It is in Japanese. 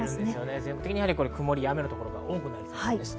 全国的に曇りや雨の所が多くなりそうです。